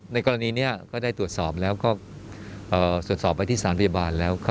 ในกรณีนี้ก็ได้ตรวจสอบแล้วก็ตรวจสอบไปที่สารพยาบาลแล้ว